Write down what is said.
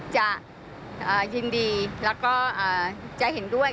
จะยินดีแล้วก็จะเห็นด้วย